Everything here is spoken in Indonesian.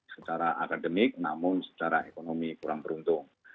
secara akademik namun secara ekonomi kurang beruntung